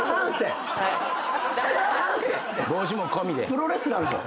プロレスラーの。